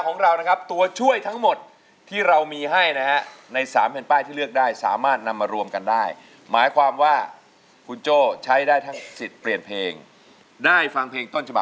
คุณเชื่อหัวใจไม่น่าน้ำนามไม่น่าใจดำเหลือแก้วตา